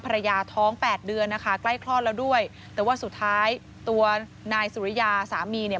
ภรรยาท้องแปดเดือนนะคะใกล้คลอดแล้วด้วยแต่ว่าสุดท้ายตัวนายสุริยาสามีเนี่ย